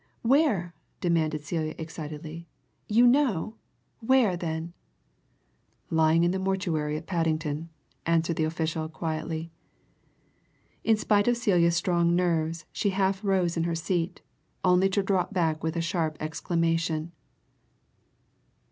"Where?" demanded Celia excitedly. "You know? Where, then?" "Lying in the mortuary at Paddington," answered the official quietly. In spite of Celia's strong nerves she half rose in her seat only to drop back with a sharp exclamation.